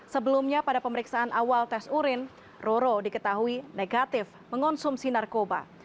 sebelumnya pada pemeriksaan awal tes urin roro diketahui negatif mengonsumsi narkoba